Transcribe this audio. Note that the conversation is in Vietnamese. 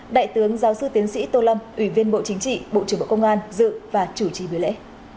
đại tướng giáo sư tiến sĩ tô lâm ủy viên bộ chính trị bộ trưởng bộ công an dự và chủ trì buổi lễ